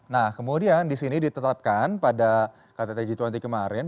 nah kemudian disini ditetapkan pada kttg dua puluh kemarin